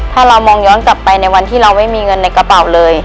ถ้าเรามองย้อนกลับไปในวันที่เราไม่มีเงินในกระเป๋าเลย